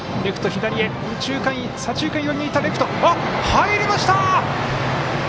入りました！